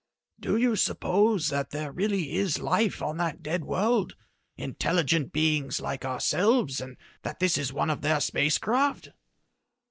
"Do you suppose that there really is life on that dead world intelligent beings like ourselves, and that this is one of their space craft?"